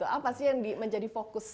apa sih yang menjadi fokus